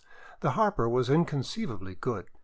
The Harper was inconceivably good.